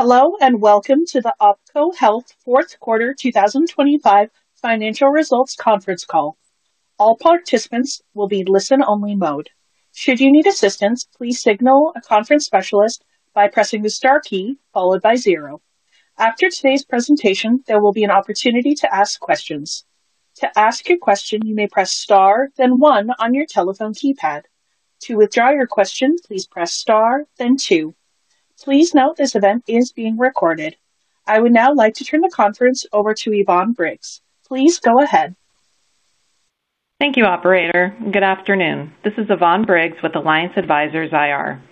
Hello and welcome to the OPKO Health Fourth Quarter 2025 Financial Results Conference Call. All participants will be in listen-only mode. Should you need assistance, please signal a conference specialist by pressing the star key followed by zero. After today's presentation, there will be an opportunity to ask questions. To ask your question, you may press star then one on your telephone keypad. To withdraw your question, please press star then two. Please note this event is being recorded. I would now like to turn the conference over to Yvonne Briggs. Please go ahead. Thank you, operator. Good afternoon. This is Yvonne Briggs with Alliance Advisors IR.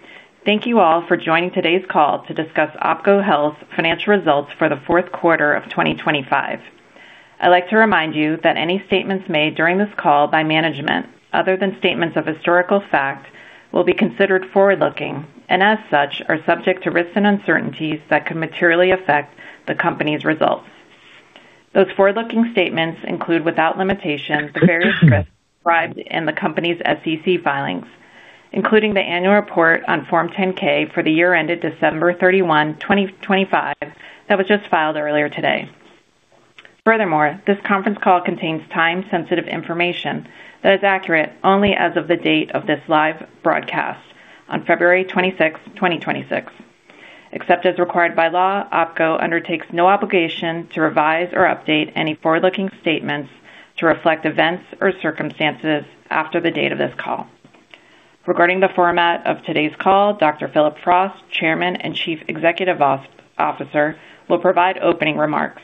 Thank you all for joining today's call to discuss OPKO Health Financial Results for the Fourth Quarter of 2025. I'd like to remind you that any statements made during this call by management, other than statements of historical fact, will be considered forward-looking and as such, are subject to risks and uncertainties that could materially affect the company's results. Those forward-looking statements include, without limitation, the various risks described in the company's SEC filings, including the annual report on Form 10-K for the year ended December 31, 2025, that was just filed earlier today. This conference call contains time-sensitive information that is accurate only as of the date of this live broadcast on February 26, 2026. Except as required by law, OPKO undertakes no obligation to revise or update any forward-looking statements to reflect events or circumstances after the date of this call. Regarding the format of today's call, Dr. Phillip Frost, Chairman and Chief Executive Officer, will provide opening remarks.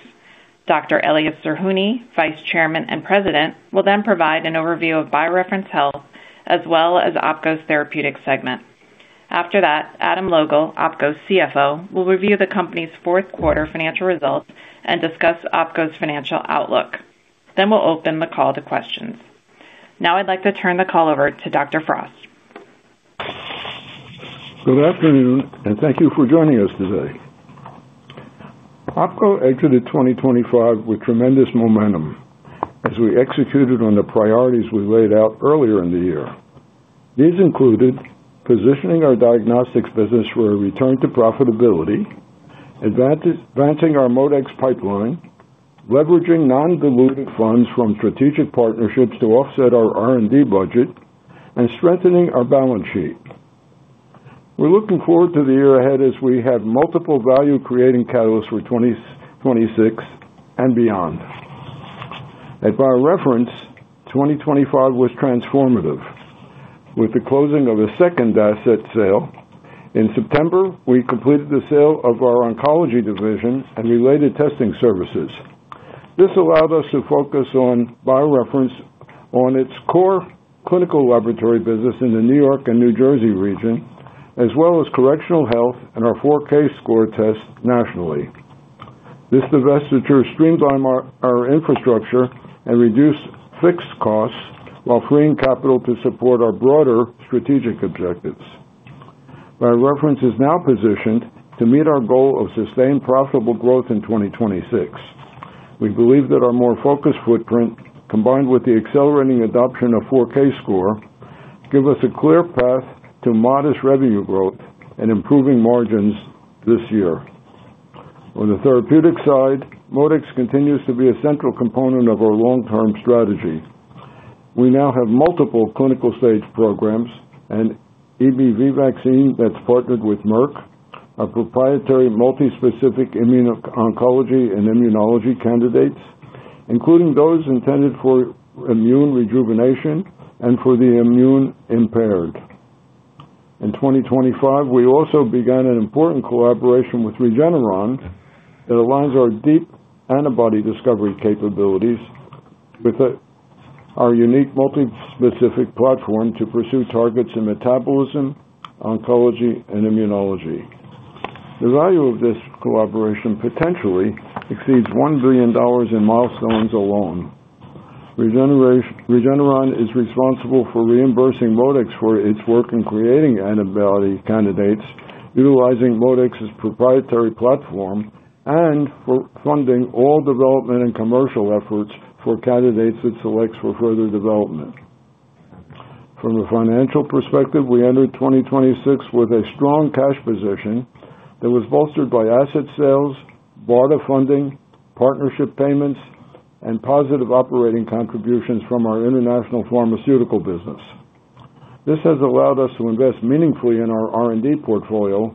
Dr. Elias Zerhouni, Vice Chairman and President, will then provide an overview of BioReference Health as well as OPKO's therapeutic segment. After that, Adam Logal, OPKO's CFO, will review the company's fourth quarter financial results and discuss OPKO's financial outlook. We'll open the call to questions. Now I'd like to turn the call over to Dr. Frost. Good afternoon, thank you for joining us today. OPKO exited 2025 with tremendous momentum as we executed on the priorities we laid out earlier in the year. These included positioning our diagnostics business for a return to profitability, advancing our ModeX pipeline, leveraging non-dilutive funds from strategic partnerships to offset our R&D budget, and strengthening our balance sheet. We're looking forward to the year ahead as we have multiple value-creating catalysts for 2026 and beyond. At BioReference, 2025 was transformative, with the closing of a second asset sale. In September, we completed the sale of our oncology division and related testing services. This allowed us to focus on BioReference on its core clinical laboratory business in the New York and New Jersey region, as well as correctional health and our 4Kscore Test nationally. This divestiture streamlined our infrastructure and reduced fixed costs while freeing capital to support our broader strategic objectives. BioReference is now positioned to meet our goal of sustained profitable growth in 2026. We believe that our more focused footprint, combined with the accelerating adoption of 4Kscore, give us a clear path to modest revenue growth and improving margins this year. On the therapeutic side, ModeX continues to be a central component of our long-term strategy. We now have multiple clinical stage programs and EBV vaccine that's partnered with Merck, a proprietary multispecific immuno-oncology and immunology candidates, including those intended for immune rejuvenation and for the immune-impaired. In 2025, we also began an important collaboration with Regeneron that aligns our deep antibody discovery capabilities with our unique multispecific platform to pursue targets in metabolism, oncology, and immunology. The value of this collaboration potentially exceeds $1 billion in milestones alone. Regeneron is responsible for reimbursing ModeX for its work in creating antibody candidates, utilizing ModeX's proprietary platform and for funding all development and commercial efforts for candidates it selects for further development. From a financial perspective, we entered 2026 with a strong cash position that was bolstered by asset sales, BARDA funding, partnership payments, and positive operating contributions from our international pharmaceutical business. This has allowed us to invest meaningfully in our R&D portfolio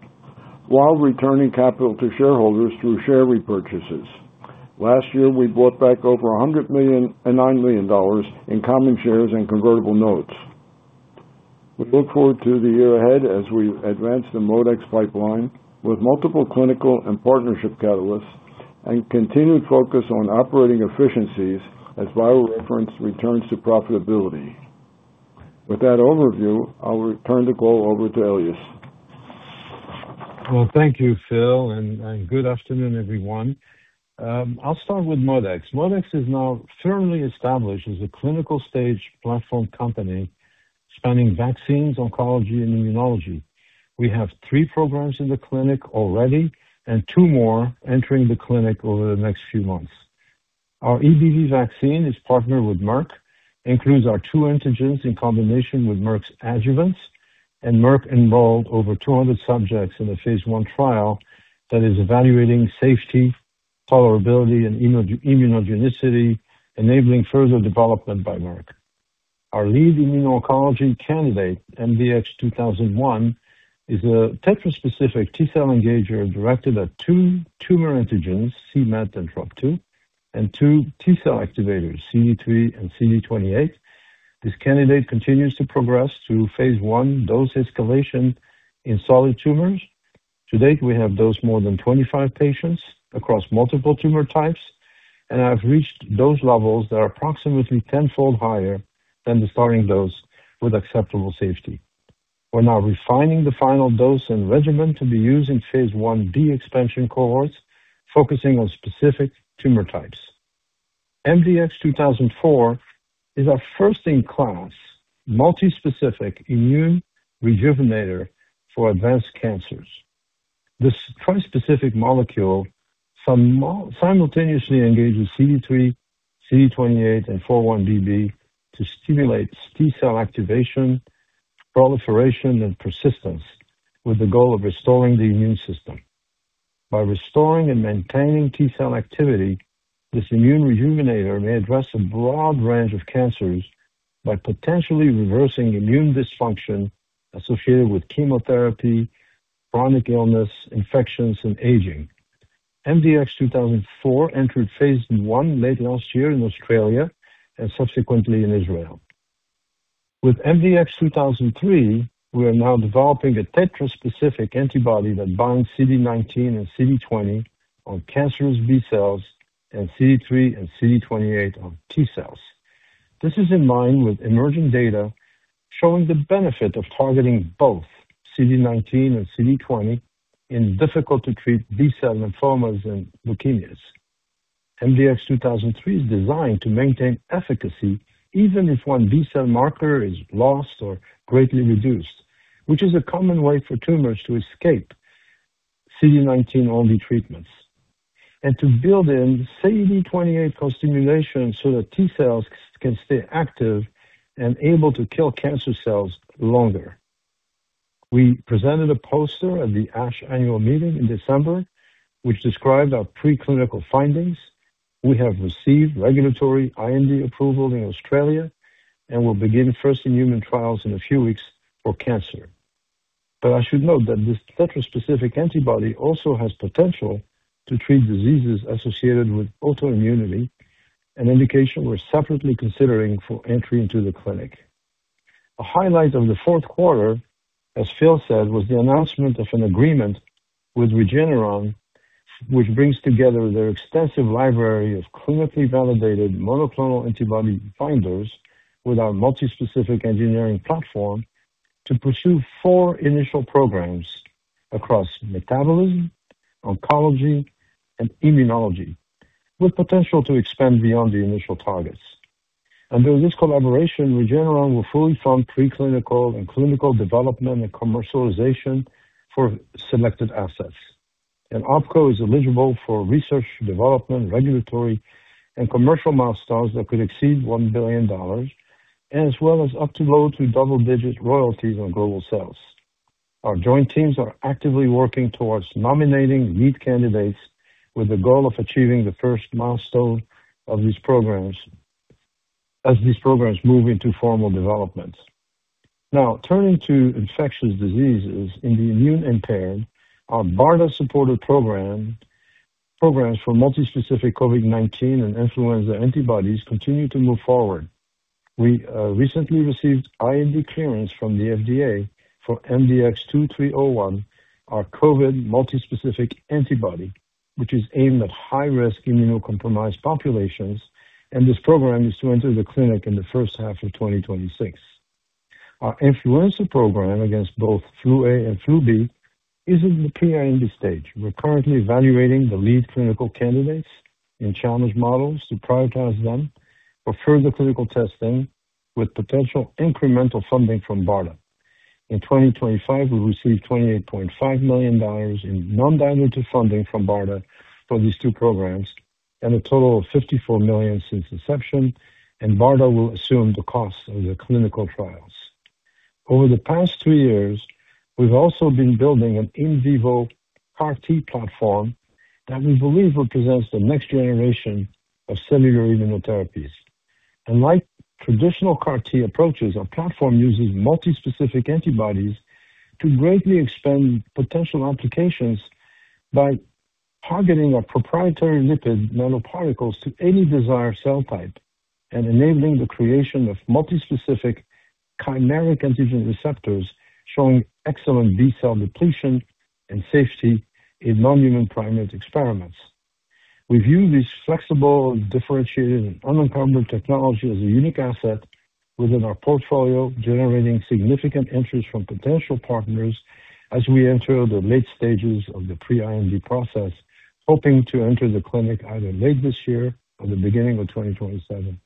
while returning capital to shareholders through share repurchases. Last year, we bought back over $90 million in common shares and convertible notes. We look forward to the year ahead as we advance the ModeX pipeline with multiple clinical and partnership catalysts and continued focus on operating efficiencies as BioReference returns to profitability. With that overview, I'll return the call over to Elias. Well, thank you, Phil, and good afternoon, everyone. I'll start with ModeX. ModeX is now firmly established as a clinical-stage platform company spanning vaccines, oncology, and immunology. We have three programs in the clinic already and two more entering the clinic over the next few months. Our EBV vaccine is partnered with Merck, includes our two antigens in combination with Merck's adjuvants. Merck enrolled over 200 subjects in a phase I trial that is evaluating safety, tolerability, and immunogenicity, enabling further development by Merck. Our lead immuno-oncology candidate, MDX-2001, is a tetraspecific T-cell engager directed at two tumor antigens, c-Met and TROP-2, and 2 T-cell activators, CD3 and CD28. This candidate continues to progress through phase I dose escalation in solid tumors. To date, we have dosed more than 25 patients across multiple tumor types and have reached dose levels that are approximately 10-fold higher than the starting dose with acceptable safety. We're now refining the final dose and regimen to be used in phase I-B expansion cohorts, focusing on specific tumor types. MDX-2004 is our first-in-class multispecific immune rejuvenator for advanced cancers. This trispecific molecule simultaneously engages CD3, CD28, and 4-1BB to stimulate T-cell activation, proliferation, and persistence, with the goal of restoring the immune system. By restoring and maintaining T-cell activity, this immune rejuvenator may address a broad range of cancers by potentially reversing immune dysfunction associated with chemotherapy, chronic illness, infections, and aging. MDX-2004 entered phase I late last year in Australia and subsequently in Israel. With MDX-2003, we are now developing a tetraspecific antibody that binds CD19 and CD20 on cancerous B cells and CD3 and CD28 on T cells. This is in line with emerging data showing the benefit of targeting both CD19 and CD20 in difficult-to-treat B-cell lymphomas and leukemias. MDX-2003 is designed to maintain efficacy even if one B-cell marker is lost or greatly reduced, which is a common way for tumors to escape CD19-only treatments, and to build in CD28 co-stimulation so that T cells can stay active and able to kill cancer cells longer. We presented a poster at the ASH annual meeting in December, which described our preclinical findings. We have received regulatory IND approval in Australia and will begin first-in-human trials in a few weeks for cancer. I should note that this tetraspecific antibody also has potential to treat diseases associated with autoimmunity, an indication we're separately considering for entry into the clinic. A highlight of the fourth quarter, as Phil said, was the announcement of an agreement with Regeneron, which brings together their extensive library of clinically validated monoclonal antibody finders with our multispecific engineering platform to pursue four initial programs across metabolism, oncology, and immunology, with potential to expand beyond the initial targets. Under this collaboration, Regeneron will fully fund preclinical and clinical development and commercialization for selected assets. OPKO is eligible for research, development, regulatory, and commercial milestones that could exceed $1 billion, and as well as up to low to double-digit royalties on global sales. Our joint teams are actively working towards nominating lead candidates with the goal of achieving the first milestone of these programs as these programs move into formal development. Turning to infectious diseases in the immune-impaired, our BARDA-supported programs for multispecific COVID-19 and influenza antibodies continue to move forward. We recently received IND clearance from the FDA for MDX-2301, our COVID multispecific antibody, which is aimed at high-risk immunocompromised populations, and this program is to enter the clinic in the first half of 2026. Our influenza program against both flu A and flu B is in the pre-IND stage. We're currently evaluating the lead clinical candidates in challenge models to prioritize them for further clinical testing with potential incremental funding from BARDA. In 2025, we received $28.5 million in non-dilutive funding from BARDA for these two programs and a total of $54 million since inception. BARDA will assume the cost of the clinical trials. Over the past two years, we've also been building an in vivo CAR-T platform that we believe represents the next generation of cellular immunotherapies. Unlike traditional CAR-T approaches, our platform uses multi-specific antibodies to greatly expand potential applications by targeting our proprietary lipid nanoparticles to any desired cell type and enabling the creation of multi-specific chimeric antigen receptors, showing excellent B-cell depletion and safety in non-human primate experiments. We view this flexible, differentiated, and unencumbered technology as a unique asset within our portfolio, generating significant interest from potential partners as we enter the late stages of the pre-IND process, hoping to enter the clinic either late this year or the beginning of 2027.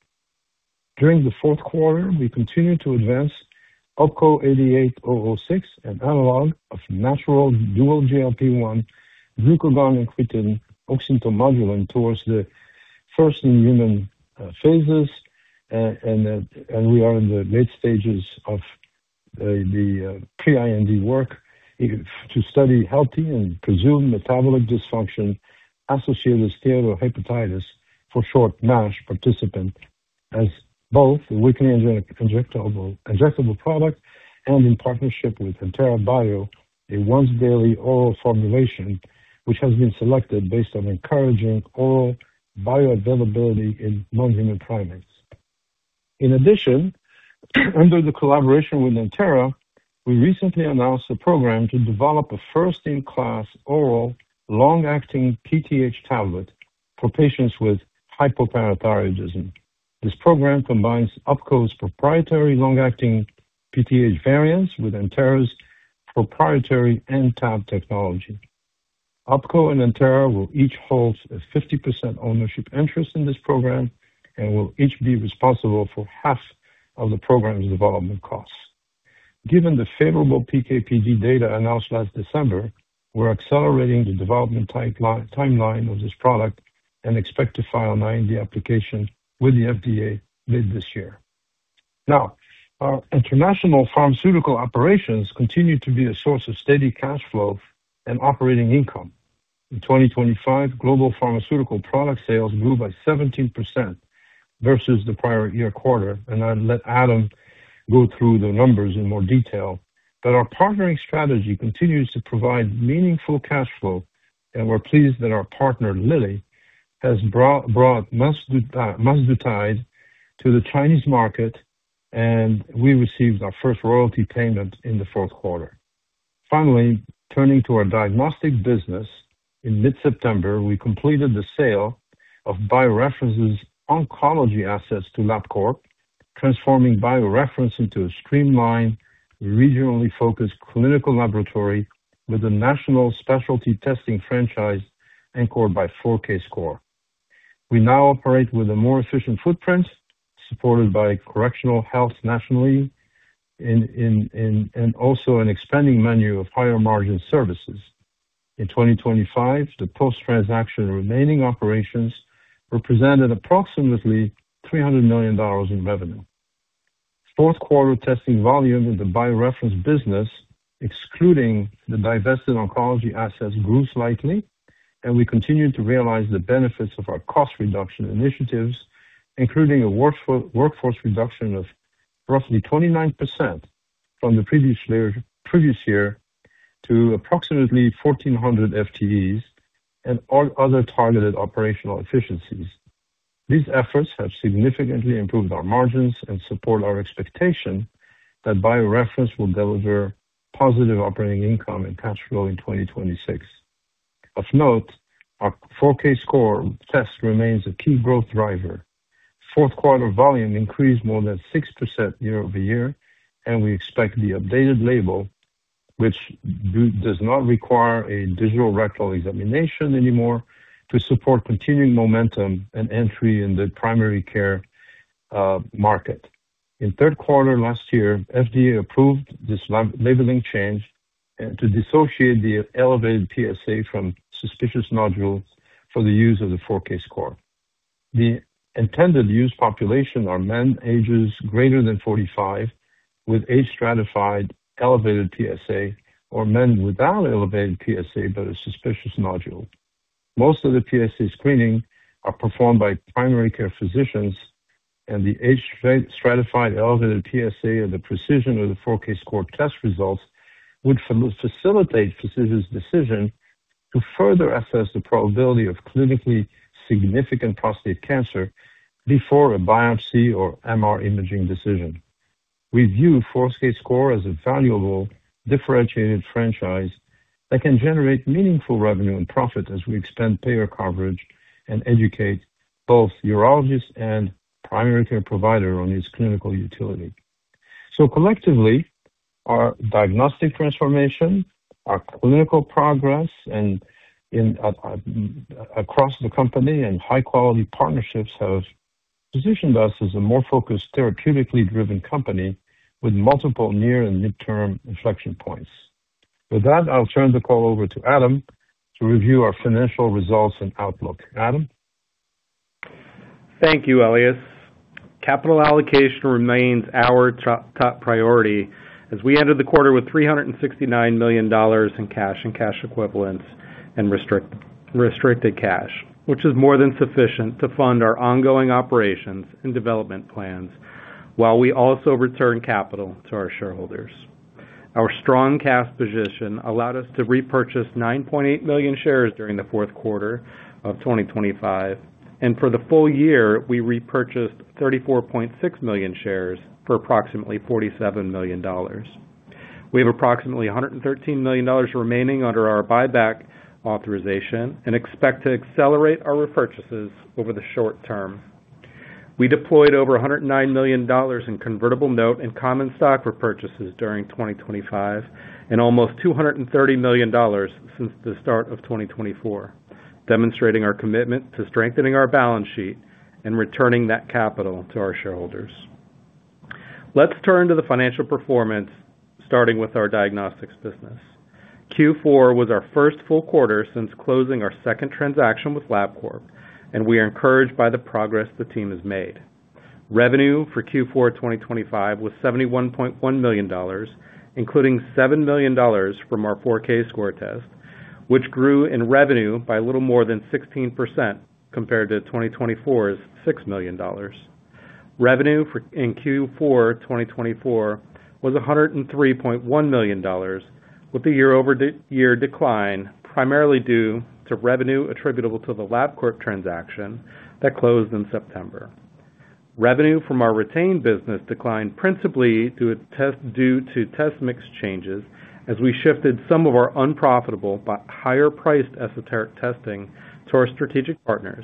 During the fourth quarter, we continued to advance OPKO-88006, an analog of natural dual GLP-1 glucagon oxyntomodulin towards the first in human phases. We are in the late stages of the pre-IND work to study healthy and presumed metabolic dysfunction associated with steatohepatitis, for short NASH participant, as both a weekly injectable product and in partnership with Entera Bio, a once-daily oral formulation, which has been selected based on encouraging oral bioavailability in non-human primates. In addition, under the collaboration with Entera, we recently announced a program to develop a first-in-class oral long-acting PTH tablet for patients with hypoparathyroidism. This program combines OPKO's proprietary long-acting PTH variants with Entera's proprietary N-Tab technology. OPKO and Entera will each hold a 50% ownership interest in this program and will each be responsible for half of the program's development costs. Given the favorable PK/PD data announced last December, we're accelerating the development timeline of this product and expect to file an IND application with the FDA mid this year. Now, our international pharmaceutical operations continue to be a source of steady cash flow and operating income. In 2025, global pharmaceutical product sales grew by 17% versus the prior year quarter. I'll let Adam go through the numbers in more detail. Our partnering strategy continues to provide meaningful cash flow, and we're pleased that our partner, Lilly, has brought mazdutide to the Chinese market, and we received our first royalty payment in the fourth quarter. Finally, turning to our diagnostic business. In mid-September, we completed the sale of BioReference's oncology assets to Labcorp, transforming BioReference into a streamlined, regionally focused clinical laboratory with a national specialty testing franchise anchored by 4Kscore. We now operate with a more efficient footprint, supported by correctional health nationally, in also an expanding menu of higher-margin services. In 2025, the post-transaction remaining operations represented approximately $300 million in revenue. Fourth quarter testing volume in the BioReference business, excluding the divested oncology assets, grew slightly, and we continued to realize the benefits of our cost reduction initiatives, including a workforce reduction of roughly 29% from the previous year to approximately 1,400 FTEs and all other targeted operational efficiencies. These efforts have significantly improved our margins and support our expectation that BioReference will deliver positive operating income and cash flow in 2026. Of note, our 4Kscore test remains a key growth driver. Fourth quarter volume increased more than 6% year-over-year, and we expect the updated label, which does not require a digital rectal examination anymore, to support continuing momentum and entry in the primary care market. In third quarter last year, FDA approved this labeling change to dissociate the elevated PSA from suspicious nodules for the use of the 4Kscore. The intended use population are men ages greater than 45, with age-stratified elevated PSA, or men without elevated PSA, but a suspicious nodule. Most of the PSA screening are performed by primary care physicians. The age stratified, elevated PSA and the precision of the 4Kscore test results would facilitate physician's decision to further assess the probability of clinically significant prostate cancer before a biopsy or MR imaging decision. We view 4Kscore as a valuable, differentiated franchise that can generate meaningful revenue and profit as we expand payer coverage and educate both urologists and primary care provider on its clinical utility. Collectively, our diagnostic transformation, our clinical progress, and across the company and high-quality partnerships have positioned us as a more focused, therapeutically driven company with multiple near and midterm inflection points. With that, I'll turn the call over to Adam to review our financial results and outlook. Adam? Thank you, Elias. Capital allocation remains our top priority as we ended the quarter with $369 million in cash and cash equivalents and restricted cash, which is more than sufficient to fund our ongoing operations and development plans, while we also return capital to our shareholders. Our strong cash position allowed us to repurchase 9.8 million shares during the fourth quarter of 2025, and for the full year, we repurchased 34.6 million shares for approximately $47 million. We have approximately $113 million remaining under our buyback authorization and expect to accelerate our repurchases over the short term. We deployed over $109 million in convertible note and common stock repurchases during 2025, and almost $230 million since the start of 2024. Demonstrating our commitment to strengthening our balance sheet and returning that capital to our shareholders. Let's turn to the financial performance, starting with our diagnostics business. Q4 was our first full quarter since closing our second transaction with Labcorp. We are encouraged by the progress the team has made. Revenue in Q4 2025 was $71.1 million, including $7 million from our 4Kscore test, which grew in revenue by a little more than 16% compared to 2024's $6 million. Revenue in Q4 2024 was $103.1 million, with the year-over-year decline, primarily due to revenue attributable to the Labcorp transaction that closed in September. Revenue from our retained business declined principally due to test mix changes, as we shifted some of our unprofitable but higher-priced esoteric testing to our strategic partners,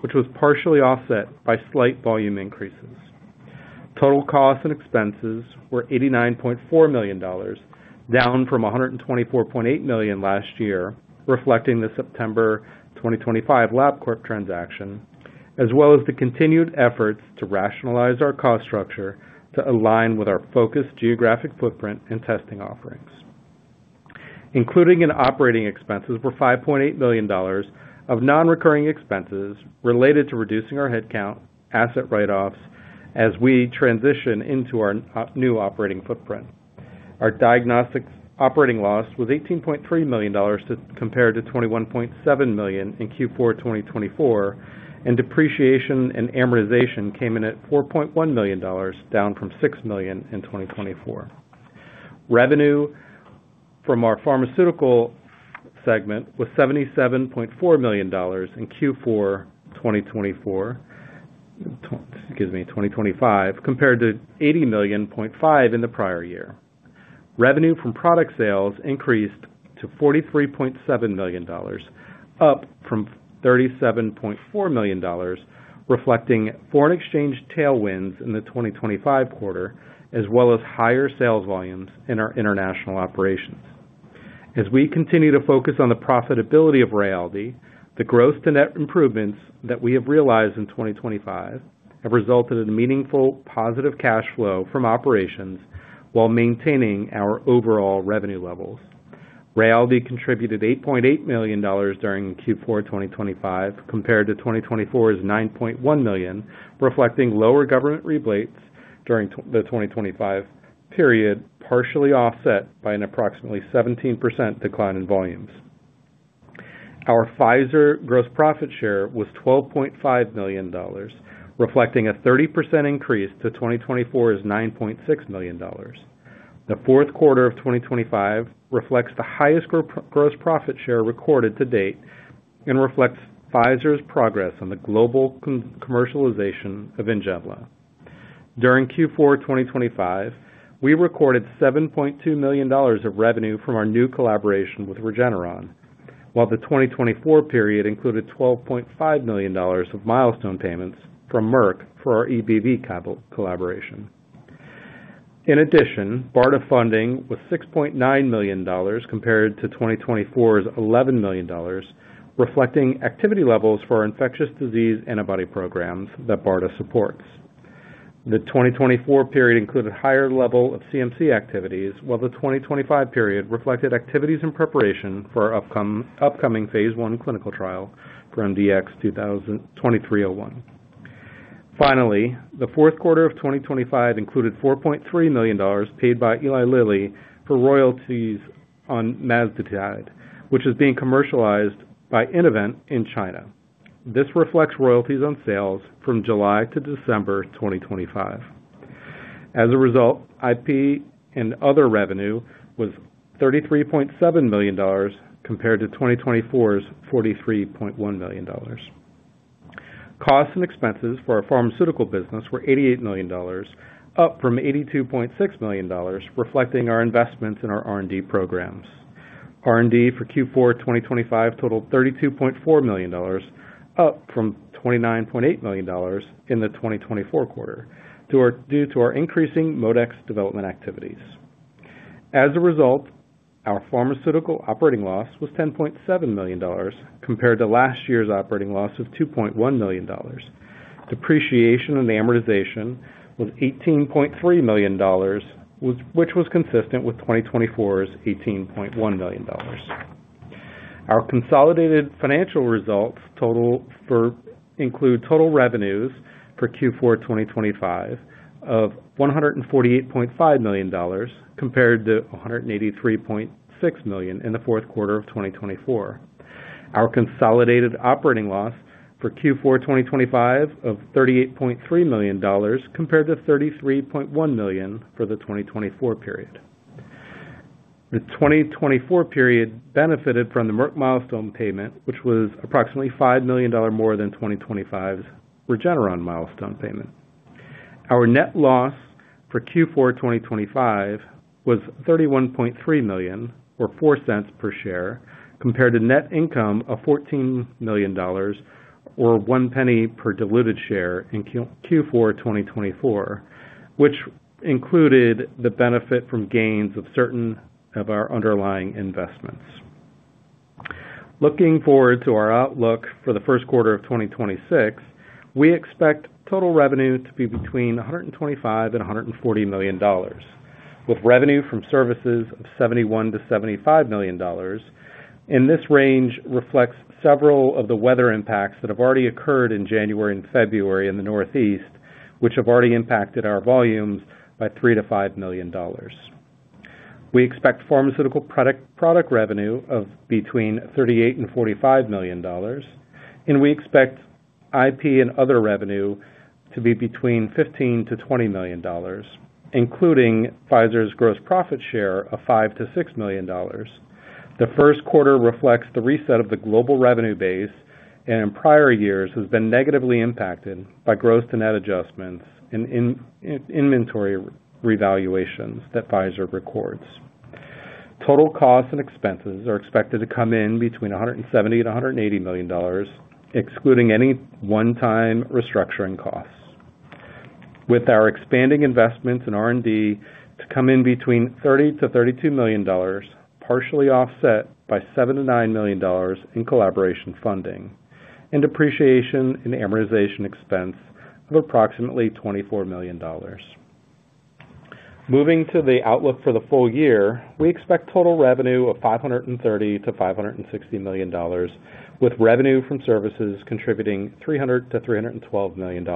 which was partially offset by slight volume increases. Total costs and expenses were $89.4 million, down from $124.8 million last year, reflecting the September 2025 Labcorp transaction, as well as the continued efforts to rationalize our cost structure to align with our focused geographic footprint and testing offerings. Including in operating expenses were $5.8 million of non-recurring expenses related to reducing our headcount, asset write-offs as we transition into our new operating footprint. Our diagnostics operating loss was $18.3 million, compared to $21.7 million in Q4 2024, and depreciation and amortization came in at $4.1 million, down from $6 million in 2024. Revenue from our pharmaceutical segment was $77.4 million in Q4 2024, excuse me, 2025, compared to $80.5 million in the prior year. Revenue from product sales increased to $43.7 million, up from $37.4 million, reflecting foreign exchange tailwinds in the 2025 quarter, as well as higher sales volumes in our international operations. As we continue to focus on the profitability of Rayaldee, the growth to net improvements that we have realized in 2025 have resulted in meaningful positive cash flow from operations while maintaining our overall revenue levels. Rayaldee contributed $8.8 million during Q4 2025, compared to 2024's $9.1 million, reflecting lower government rebates during the 2025 period, partially offset by an approximately 17% decline in volumes. Our Pfizer gross profit share was $12.5 million, reflecting a 30% increase to 2024's $9.6 million. The fourth quarter of 2025 reflects the highest gross profit share recorded to date, and reflects Pfizer's progress on the global commercialization of NGENLA. During Q4 2025, we recorded $7.2 million of revenue from our new collaboration with Regeneron, while the 2024 period included $12.5 million of milestone payments from Merck for our EBV clinical collaboration. BARDA funding was $6.9 million compared to 2024's $11 million, reflecting activity levels for our infectious disease antibody programs that BARDA supports. The 2024 period included higher level of CMC activities, while the 2025 period reflected activities in preparation for our upcoming phase I clinical trial for MDX-202301. The 4th quarter of 2025 included $4.3 million paid by Eli Lilly for royalties on mazdutide, which is being commercialized by Innovent in China. This reflects royalties on sales from July to December 2025. IP and other revenue was $33.7 million compared to 2024's $43.1 million. Costs and expenses for our pharmaceutical business were $88 million, up from $82.6 million, reflecting our investments in our R&D programs. R&D for Q4 2025 totaled $32.4 million, up from $29.8 million in the 2024 quarter, due to our increasing ModeX development activities. As a result, our pharmaceutical operating loss was $10.7 million, compared to last year's operating loss of $2.1 million. Depreciation and amortization was $18.3 million, which was consistent with 2024's $18.1 million. Our consolidated financial results include total revenues for Q4 2025 of $148.5 million, compared to $183.6 million in the fourth quarter of 2024. Our consolidated operating loss for Q4 2025 of $38.3 million, compared to $33.1 million for the 2024 period. The 2024 period benefited from the Merck milestone payment, which was approximately $5 million more than 2025's Regeneron milestone payment. Our net loss for Q4 2025 was $31.3 million, or $0.04 per share, compared to net income of $14 million, or $0.01 per diluted share in Q4 2024, which included the benefit from gains of certain of our underlying investments. Looking forward to our outlook for the first quarter of 2026, we expect total revenue to be between $125 million and $140 million, with revenue from services of $71 million-$75 million. This range reflects several of the weather impacts that have already occurred in January and February in the Northeast, which have already impacted our volumes by $3 million-$5 million. We expect pharmaceutical product revenue of between $38 million and $45 million. We expect IP and other revenue to be between $15 million-$20 million, including Pfizer's gross profit share of $5 million-$6 million. The first quarter reflects the reset of the global revenue base. In prior years, has been negatively impacted by gross to net adjustments in inventory revaluations that Pfizer records. Total costs and expenses are expected to come in between $170 million-$180 million, excluding any one-time restructuring costs. With our expanding investments in R&D to come in between $30 million-$32 million, partially offset by $7 million-$9 million in collaboration funding and depreciation in amortization expense of approximately $24 million. Moving to the outlook for the full year, we expect total revenue of $530 million-$560 million, with revenue from services contributing $300 million-$312 million,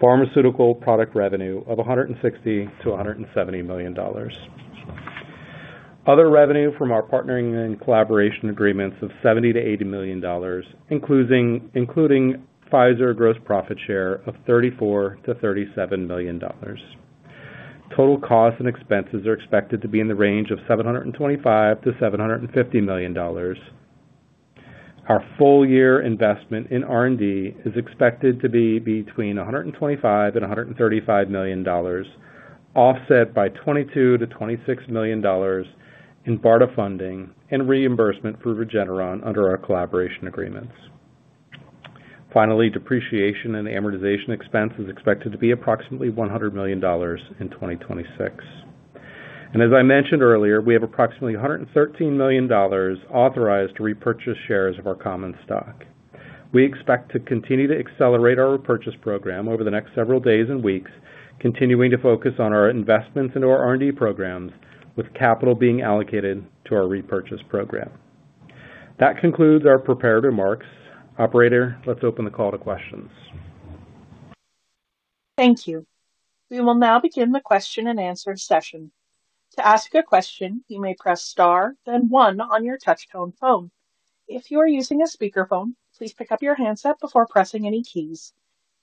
pharmaceutical product revenue of $160 million-$170 million. Other revenue from our partnering and collaboration agreements of $70 million-$80 million, including Pfizer gross profit share of $34 million-$37 million. Total costs and expenses are expected to be in the range of $725 million-$750 million. Our full year investment in R&D is expected to be between $125 million and $135 million, offset by $22 million-$26 million in BARDA funding and reimbursement through Regeneron under our collaboration agreements. Finally, depreciation and amortization expense is expected to be approximately $100 million in 2026. As I mentioned earlier, we have approximately $113 million authorized to repurchase shares of our common stock. We expect to continue to accelerate our repurchase program over the next several days and weeks, continuing to focus on our investments into our R&D programs, with capital being allocated to our repurchase program. That concludes our prepared remarks. Operator, let's open the call to questions. Thank you. We will now begin the question and answer session. To ask a question, you may press star, then one on your touchtone phone. If you are using a speakerphone, please pick up your handset before pressing any keys.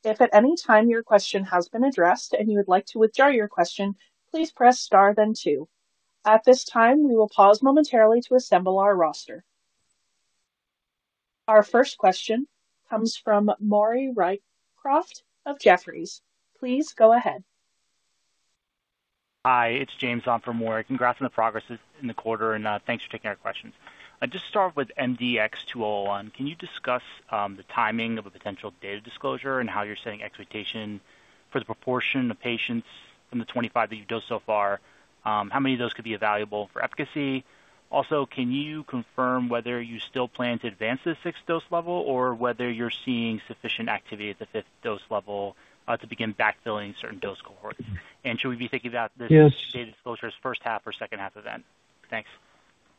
If at any time your question has been addressed and you would like to withdraw your question, please press star then two. At this time, we will pause momentarily to assemble our roster. Our first question comes from Maury Raycroft of Jefferies. Please go ahead. Hi, it's James on for Maury. Congrats on the progress in the quarter, and thanks for taking our questions. Just start with MDX-2001. Can you discuss the timing of a potential data disclosure and how you're setting expectation for the proportion of patients from the 25 that you've dosed so far? How many of those could be evaluable for efficacy? Also, can you confirm whether you still plan to advance the sixth dose level, or whether you're seeing sufficient activity at the 5th dose level to begin backfilling certain dose cohorts? Should we be thinking about this? Yes. Data disclosure as first half or second half event? Thanks.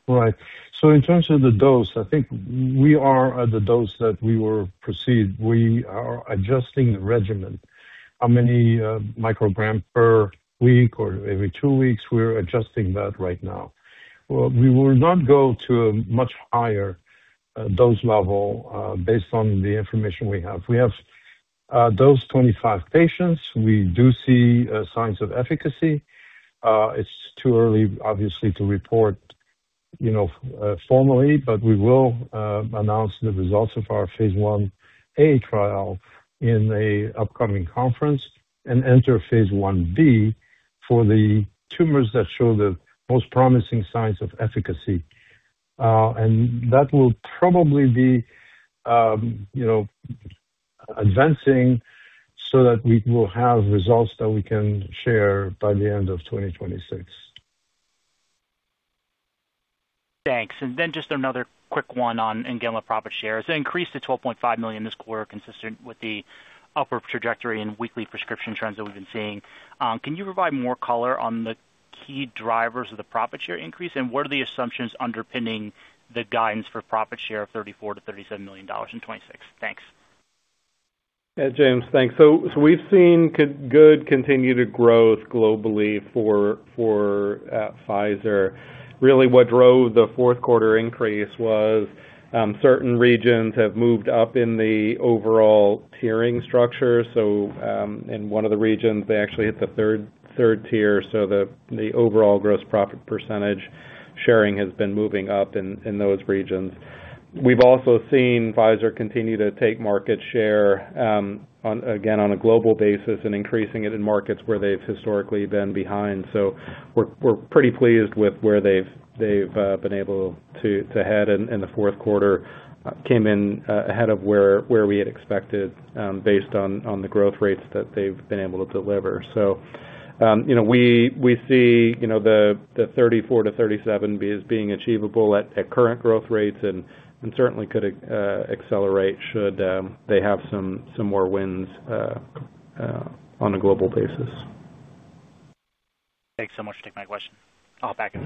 Right. In terms of the dose, I think we are at the dose that we were proceed. We are adjusting the regimen. How many microgram per week or every two weeks? We're adjusting that right now. We will not go to a much higher dose level based on the information we have. We have dosed 25 patients. We do see signs of efficacy. It's too early, obviously, to report, you know, formally, but we will announce the results of phase I-A trial in a upcoming conference and phase I-B for the tumors that show the most promising signs of efficacy. And that will probably be, you know, advancing so that we will have results that we can share by the end of 2026. Thanks. Just another quick one on NGENLA profit shares. Increased to $12.5 million this quarter, consistent with the upper trajectory and weekly prescription trends that we've been seeing. Can you provide more color on the key drivers of the profit share increase, and what are the assumptions underpinning the guidance for profit share of $34 million-$37 million in 2026? Thanks. James, thanks. we've seen good continued growth globally for Pfizer. Really, what drove the fourth quarter increase was certain regions have moved up in the overall tiering structure. in one of the regions, they actually hit the third tier, the overall gross profit % sharing has been moving up in those regions. We've also seen Pfizer continue to take market share, again, on a global basis and increasing it in markets where they've historically been behind. we're pretty pleased with where they've been able to head in the fourth quarter. Came in ahead of where we had expected, based on the growth rates that they've been able to deliver. You know, we see, you know, the 34 to 37 as being achievable at current growth rates and certainly could accelerate should they have some more wins on a global basis. Thanks so much for taking my question. I'll back it.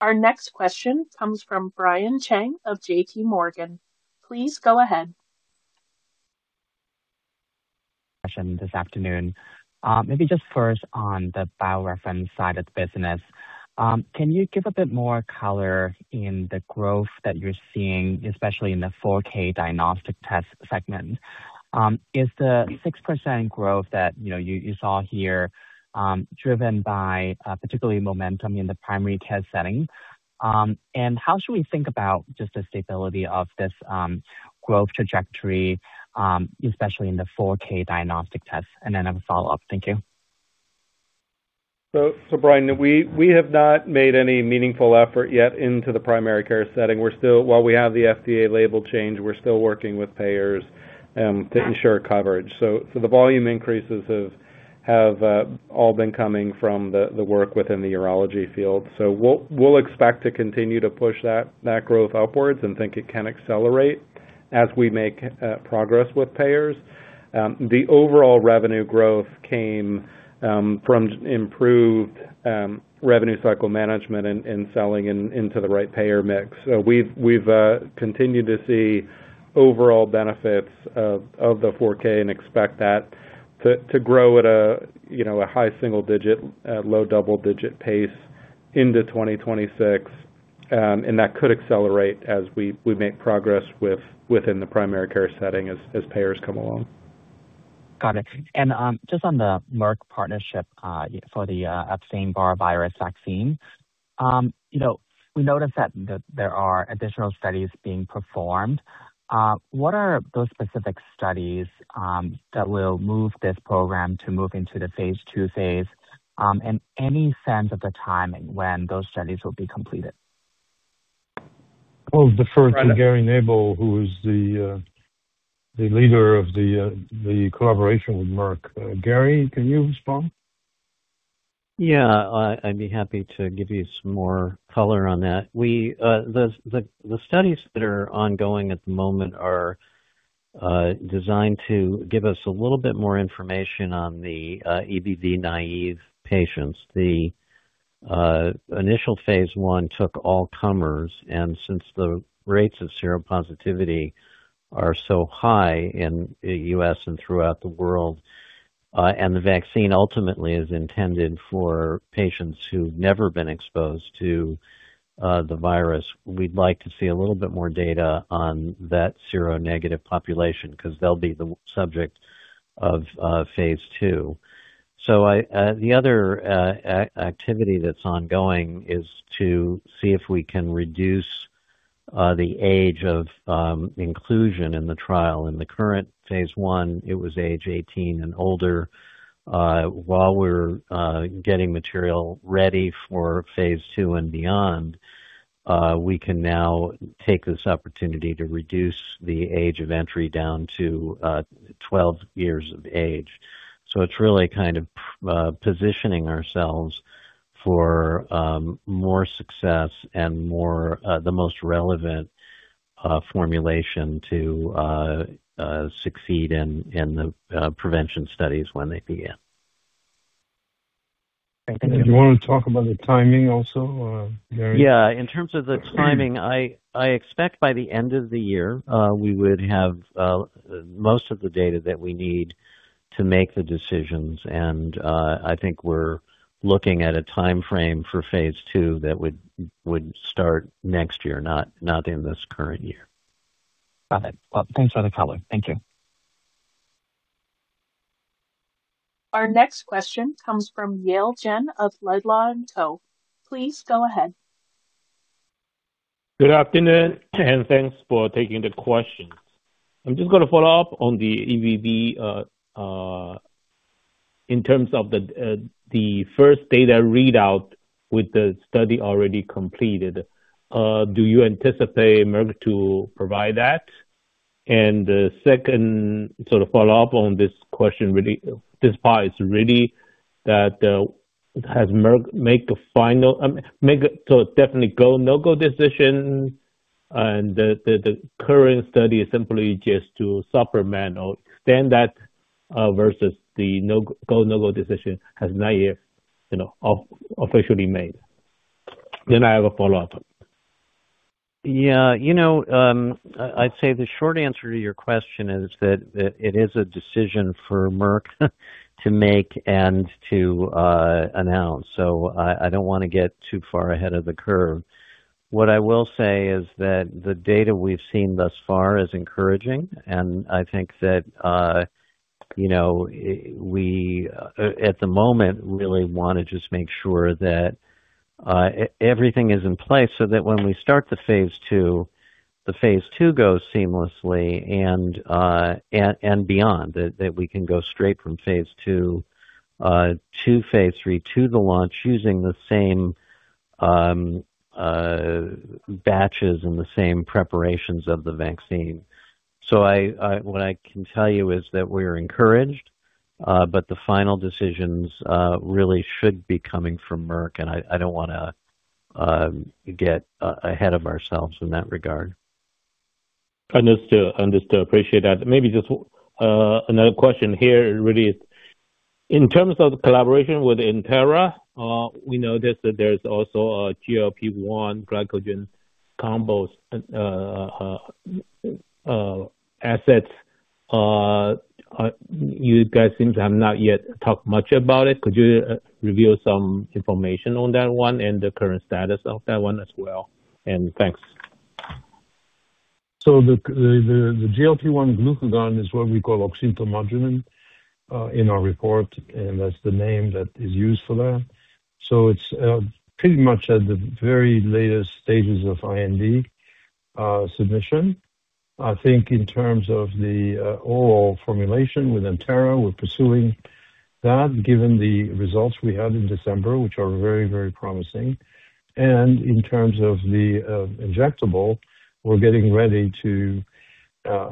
Our next question comes from Brian Cheng of JPMorgan. Please go ahead. Question this afternoon. Maybe just first on the BioReference side of the business. Can you give a bit more color in the growth that you're seeing, especially in the 4K diagnostic test segment? Is the 6% growth that, you know, you saw here, driven by particularly momentum in the primary care setting? How should we think about just the stability of this growth trajectory, especially in the 4K diagnostic test? Then I have a follow-up. Thank you. Brian, we have not made any meaningful effort yet into the primary care setting. We're still, while we have the FDA label change, we're still working with payers to ensure coverage. The volume increases have all been coming from the work within the urology field. We'll expect to continue to push that growth upwards and think it can accelerate as we make progress with payers. The overall revenue growth came from improved revenue cycle management and selling into the right payer mix. We've continued to see overall benefits of the 4K and expect that to grow at a, you know, a high single-digit, low double-digit pace into 2026. That could accelerate as we make progress within the primary care setting as payers come along. Got it. Just on the Merck partnership, for the Epstein-Barr virus vaccine, you know, we noticed that there are additional studies being performed. What are those specific studies that will move this program to move into the phase II phase? Any sense of the timing when those studies will be completed? I'll defer to Gary Nabel, who is the the leader of the the collaboration with Merck. Gary, can you respond? I'd be happy to give you some more color on that. The studies that are ongoing at the moment are designed to give us a little bit more information on the EBV naive patients. The initial phase one took all comers. Since the rates of seropositivity are so high in the U.S. and throughout the world, the vaccine ultimately is intended for patients who've never been exposed to the virus, we'd like to see a little bit more data on that seronegative population, because they'll be the subject ofphase II. The other activity that's ongoing is to see if we can reduce the age of inclusion in the trial. In the current phase one, it was age 18 and older. While we're getting material ready for phase II and beyond, we can now take this opportunity to reduce the age of entry down to 12 years of age. It's really kind of positioning ourselves for more success and more the most relevant formulation to succeed in the prevention studies when they begin. Thank you. Do you want to talk about the timing also, Gary? Yeah. In terms of the timing, I expect by the end of the year, we would have most of the data that we need to make the decisions. I think we're looking at a timeframe forphase II that would start next year, not in this current year. Got it. Well, thanks for the follow-up. Thank you. Our next question comes from Yale Jen of Laidlaw & Co. Please go ahead. Good afternoon, and thanks for taking the questions. I'm just going to follow up on the EBV in terms of the first data readout with the study already completed. Do you anticipate Merck to provide that? The second sort of follow-up on this question, really, this part, is really that has Merck make a final, definitely go, no-go decision, and the current study is simply just to supplement or extend that versus the no-go decision has not yet, you know, officially made? I have a follow-up. Yeah, you know, I'd say the short answer to your question is that it is a decision for Merck to make and to announce. I don't want to get too far ahead of the curve. What I will say is that the data we've seen thus far is encouraging, and I think that, you know, we, at the moment, really want to just make sure that everything is in place so that when we start thephase II, thephase II goes seamlessly and beyond. That we can go straight fromphase II to phase three to the launch, using the same- batches and the same preparations of the vaccine. I, what I can tell you is that we are encouraged, but the final decisions really should be coming from Merck, and I don't wanna get ahead of ourselves in that regard. Understood. Understood. Appreciate that. Maybe just another question here really. In terms of the collaboration with Entera Bio, we noticed that there's also a GLP-1 glucagon combos assets. You guys seem to have not yet talked much about it. Could you reveal some information on that one and the current status of that one as well? Thanks. The GLP-1 glucagon is what we call oxyntomodulin in our report, and that's the name that is used for that. It's pretty much at the very latest stages of IND submission. I think in terms of the overall formulation with Entera, we're pursuing that, given the results we had in December, which are very, very promising. In terms of the injectable, we're getting ready to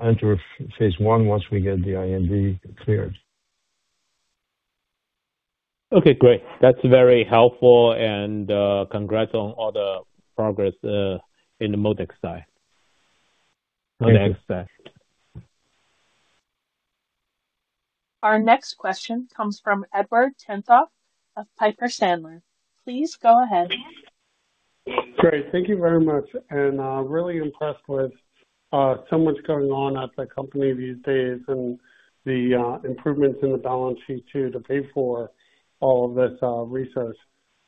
enter a phase I once we get the IND cleared. Okay, great. That's very helpful, and, congrats on all the progress, in the ModeX side. Our next question comes from Edward Tenthoff of Piper Sandler. Please go ahead. Great. Thank you very much. Really impressed with so much going on at the company these days and the improvements in the balance sheet too, to pay for all of this research.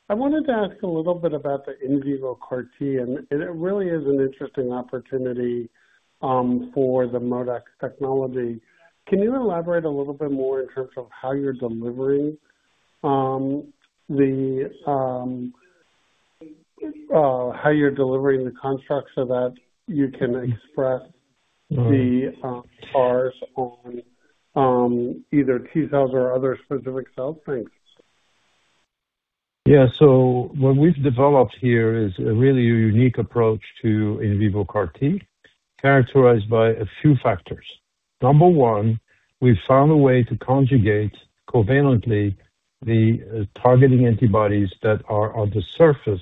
I wanted to ask a little bit about the in vivo CAR-T, and it really is an interesting opportunity for the ModeX technology. Can you elaborate a little bit more in terms of how you're delivering the construct so that you can express- Mm-hmm. the CARs on either T-cells or other specific cells? Thanks. What we've developed here is a really unique approach to in vivo CAR-T, characterized by a few factors. Number one, we've found a way to conjugate covalently the targeting antibodies that are on the surface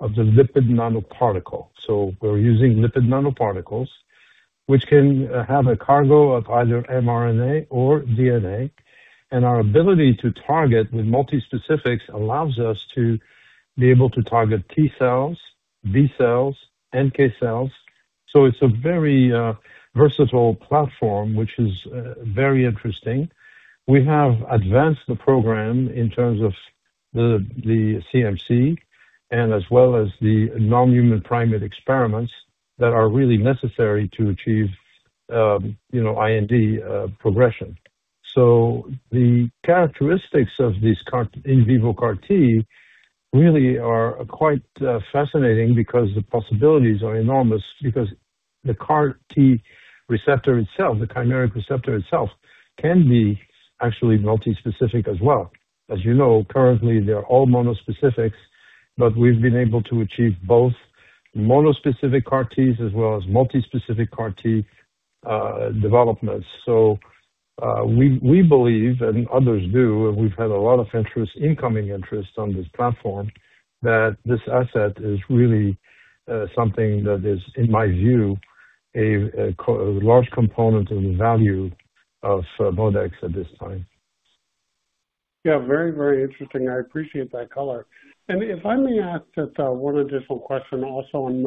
of the lipid nanoparticle. We're using lipid nanoparticles, which can have a cargo of either mRNA or DNA, and our ability to target with multispecifics allows us to be able to target T cells, B cells, NK cells. It's a very versatile platform, which is very interesting. We have advanced the program in terms of the CMC and as well as the non-human primate experiments that are really necessary to achieve, you know, IND progression. The characteristics of this CAR, in vivo CAR-T, really are quite fascinating because the possibilities are enormous, because the CAR-T receptor itself, the chimeric receptor itself, can be actually multispecific as well. As you know, currently, they're all monospecifics, but we've been able to achieve both monospecific CAR-Ts as well as multispecific CAR-T developments. We believe, and others do, and we've had a lot of interest, incoming interest on this platform, that this asset is really something that is, in my view, a large component of the value of ModeX at this time. Yeah, very, very interesting. I appreciate that color. If I may ask just one additional question also on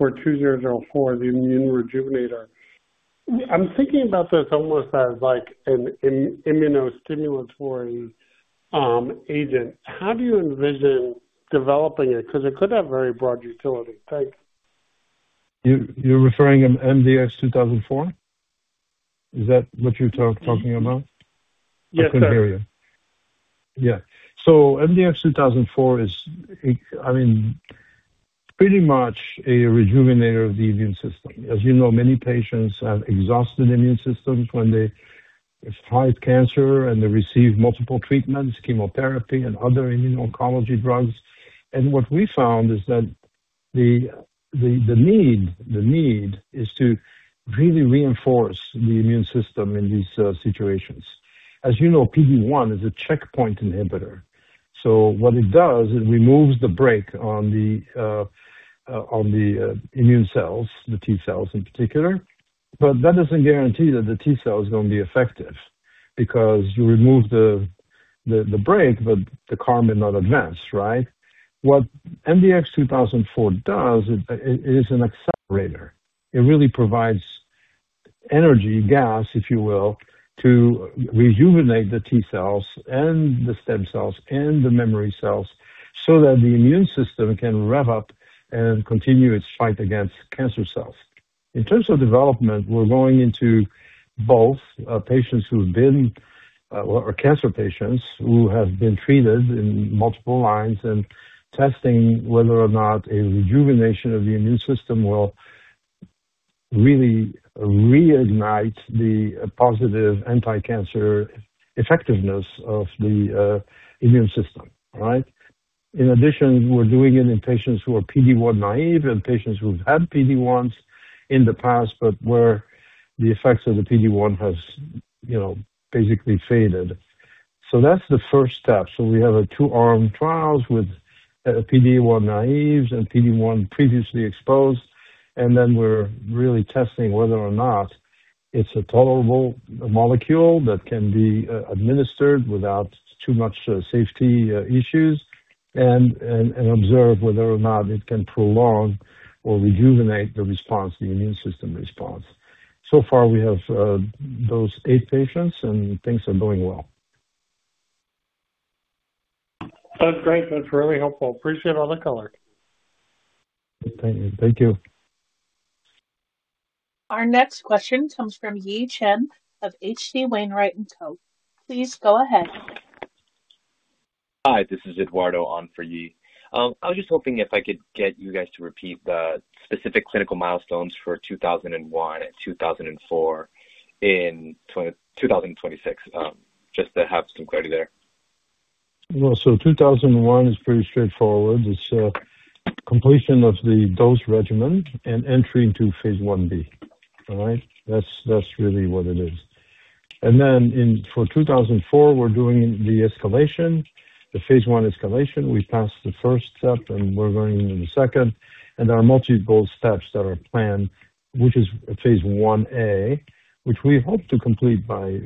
MDX-2004, the immune rejuvenator. I'm thinking about this almost as like an immunostimulatory agent. How do you envision developing it? Because it could have very broad utility. Thanks. You're referring to MDX-2004? Is that what you're talking about? Yes, sir. I couldn't hear you. Yeah. MDX-2004 is, I mean, pretty much a rejuvenator of the immune system. As you know, many patients have exhausted immune systems when they fight cancer and they receive multiple treatments, chemotherapy and other immune oncology drugs. What we found is that the need is to really reinforce the immune system in these situations. As you know, PD-1 is a checkpoint inhibitor. What it does, it removes the brake on the immune cells, the T cells in particular. That doesn't guarantee that the T cell is going to be effective, because you remove the brake, but the car may not advance, right? What MDX-2004 does, it is an accelerator. It really provides energy, gas, if you will, to rejuvenate the T cells and the stem cells and the memory cells so that the immune system can rev up and continue its fight against cancer cells. In terms of development, we're going into both patients who've been, or cancer patients who have been treated in multiple lines and testing whether or not a rejuvenation of the immune system will really reignite the positive anti-cancer effectiveness of the immune system, right? In addition, we're doing it in patients who are PD-1 naive and patients who've had PD-1s in the past, but where the effects of the PD-1 has, you know, basically faded. That's the first step. We have a two-arm trials with PD-1 naives and PD-1 previously exposed, and then we're really testing whether or not it's a tolerable molecule that can be administered without too much safety issues, and observe whether or not it can prolong or rejuvenate the response, the immune system response. So far, we have eight patients, and things are going well. That's great. That's really helpful. Appreciate all the color. Thank you. Thank you. Our next question comes from Yi Chen of H.C. Wainwright & Co. Please go ahead. Hi, this is Eduardo on for Yi. I was just hoping if I could get you guys to repeat the specific clinical milestones for 2001 and 2004 in 2026, just to have some clarity there. 2001 is pretty straightforward. It's completion of the dose regimen and entry phase I-B. all right? That's really what it is. For 2004, we're doing the escalation, the phase I escalation. We passed the first step, and we're going into the second, and there are multiple steps that are planned, which phase I-A, which we hope to complete by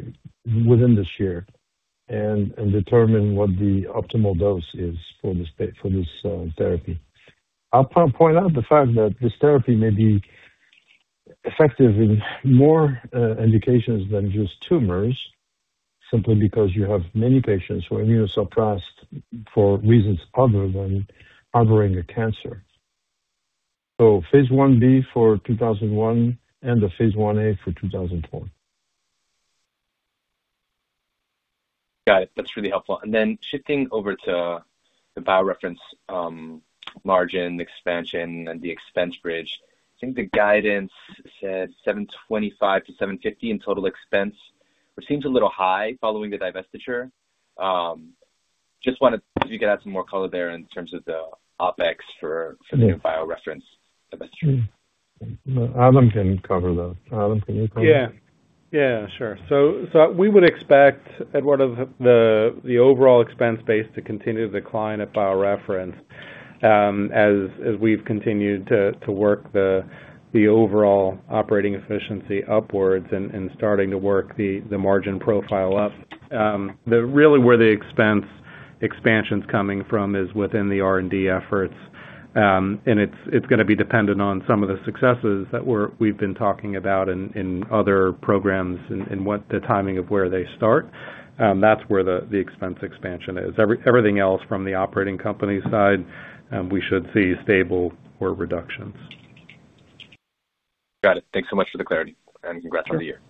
within this year and determine what the optimal dose is for this therapy. I'll point out the fact that this therapy may be effective in more indications than just tumors, simply because you have many patients who are immunosuppressed for reasons other than harboring a phase I-B for 2001 and phase I-A for 2004. Got it. That's really helpful. Then shifting over to the BioReference, margin expansion and the expense bridge. I think the guidance said $725 million-$750 million in total expense, which seems a little high following the divestiture. just wanted if you could add some more color there in terms of the OpEx. Yeah The new BioReference divesture. Adam can cover that. Adam, can you cover? Yeah. Yeah, sure. We would expect, Eduardo, the overall expense base to continue to decline at BioReference, as we've continued to work the overall operating efficiency upwards and starting to work the margin profile up. The really where the expense expansion's coming from is within the R&D efforts. It's gonna be dependent on some of the successes that we've been talking about in other programs and what the timing of where they start. That's where the expense expansion is. Everything else from the operating company side, we should see stable or reductions. Got it. Thanks so much for the clarity. Congrats on the year.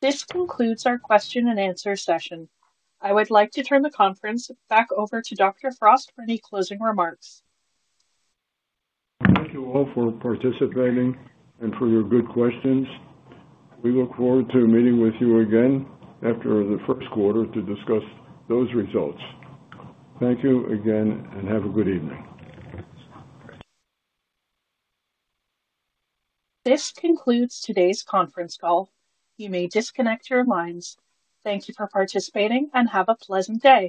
This concludes our question and answer session. I would like to turn the conference back over to Dr. Frost for any closing remarks. Thank you all for participating and for your good questions. We look forward to meeting with you again after the first quarter to discuss those results. Thank you again, and have a good evening. This concludes today's conference call. You may disconnect your lines. Thank you for participating. Have a pleasant day.